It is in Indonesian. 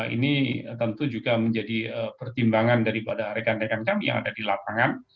ini tentu juga menjadi pertimbangan daripada rekan rekan kami yang ada di lapangan